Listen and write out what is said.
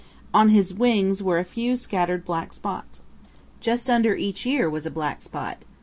On his wings were a few scattered black spots. Just under each ear was a black spot.